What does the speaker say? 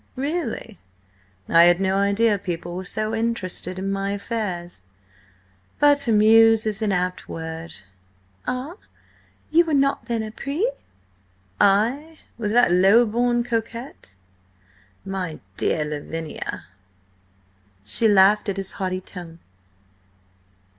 "Really? I had no idea people were so interested in my affairs. But 'amuse' is an apt word." "Ah? You were not then épris?" "I? With that low born cocotte? My dear Lavinia!" She laughed at his haughty tone.